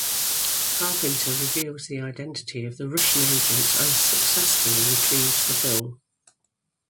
Carpenter reveals the identity of the Russian agents, and successfully retrieves the film.